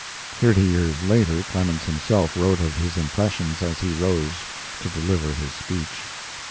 Thirty years later Clemens himself wrote of his impressions as he rose to deliver his speech.